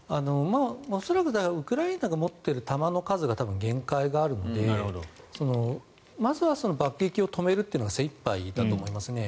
恐らくウクライナが持っている弾の数が多分、限界があるのでまずは爆撃を止めるのが精いっぱいだと思いますね。